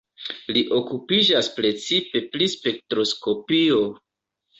Li okupiĝas precipe pri spektroskopio.